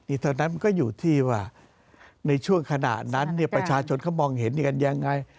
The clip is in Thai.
อีกเท่านั้นมันก็อยู่ที่ว่าในช่วงขณะนั้นเนี่ยประชาชนก็มองเห็นอย่างไร